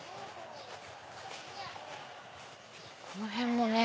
この辺もね